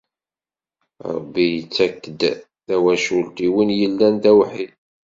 Rebbi yettak-d tawacult i win yellan d awḥid.